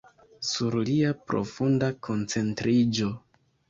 Sur lia profunda koncentriĝo.